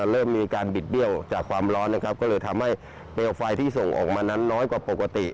เริ่มมีการบิดเบี้ยวจากความร้อนนะครับก็เลยทำให้เปลวไฟที่ส่งออกมานั้นน้อยกว่าปกติ